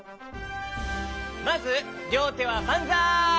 まずりょうてはばんざい！